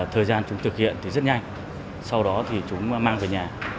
thời gian chúng thực hiện rất nhanh sau đó chúng mang về nhà